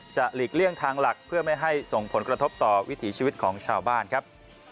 หลีกเลี่ยงทางหลักเพื่อไม่ให้ส่งผลกระทบต่อวิถีชีวิตของชาวบ้านครับ